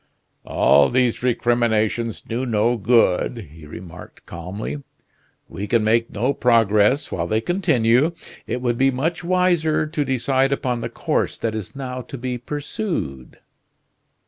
"All these recriminations do no good," he remarked, calmly; "we can make no progress while they continue. It would be much wiser to decide upon the course that is now to be pursued."